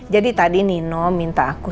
jadi tadi nino minta aku